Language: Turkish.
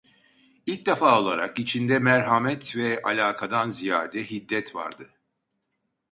İlk defa olarak içinde merhamet ve alakadan ziyade, hiddet vardı.